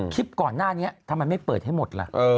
คลิปก่อนหน้านี้ทำไมไม่เปิดให้หมดล่ะ